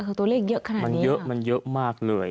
คือตัวเลขเยอะขนาดนี้มันเยอะมันเยอะมากเลย